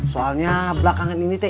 soalnya belakangan ini teh